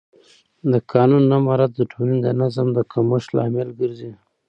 د قانون نه مراعت د ټولنې د نظم د کمښت لامل ګرځي